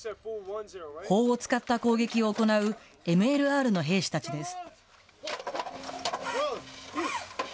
砲を使った攻撃を行うＭＬＲの兵士たちです。